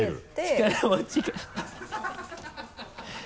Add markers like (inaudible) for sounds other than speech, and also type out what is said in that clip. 力持ちが (laughs)